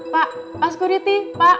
pak pak pak skuriti